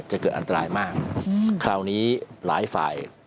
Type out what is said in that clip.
จะเกิดอันตรายมากคราวนี้หลายฝ่าย